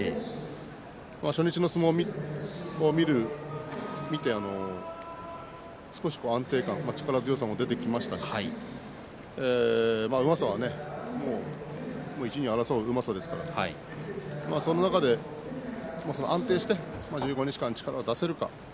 初日の相撲を見て少し安定感も出てきましたし１、２位を争ううまさですからその中で安定して１５日間力を出せるか。